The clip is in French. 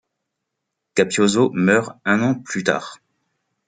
Capiozzo meurt un an plus tard.